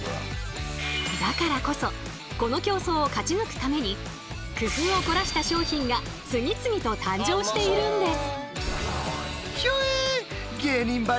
だからこそこの競争を勝ち抜くために工夫を凝らした商品が次々と誕生しているんです。